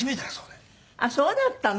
あっそうだったの。